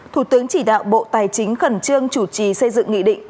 thủ tướng chỉ đạo bộ tài chính khẩn trương chủ trì xây dựng nghị định